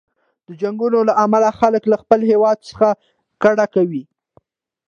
د جنګونو له امله خلک له خپل هیواد څخه کډه کوي.